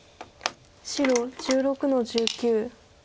白１６の十九。